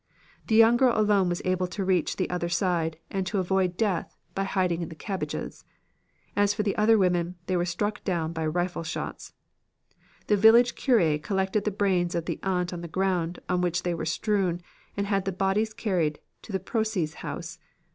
The young girl alone was able to reach the other side and to avoid death by hiding in the cabbages. As for the other women, they were struck down by rifle shots. The village cure collected the brains of the aunt on the ground on which they were strewn and had the bodies carried into Proces' house.